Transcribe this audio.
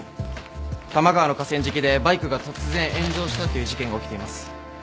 多摩川の河川敷でバイクが突然炎上したという事件が起きています。